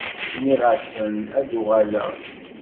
Nniɣ-asen ad d-uɣaleɣ